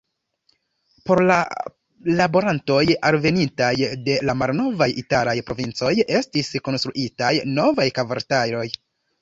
Por la laborantoj alvenintaj de la malnovaj italaj provincoj estis konstruitaj novaj kvartaloj.